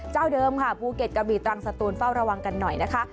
เจ้าเดิมค่ะภูเก็ตกระบีตรังสตูนเฝ้าระวังกันหน่อยนะคะ